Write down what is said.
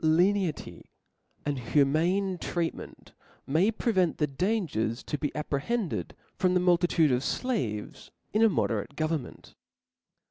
T ENITY and humane treatment may pre ^^ vent the dangers to be apprehended from the multitude of flaves in a moderate government.